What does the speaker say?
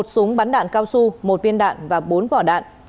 một súng bắn đạn cao su một viên đạn và bốn vỏ đạn